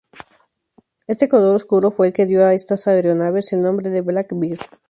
Este color oscuro fue el que dio a estas aeronaves el nombre de “Blackbird".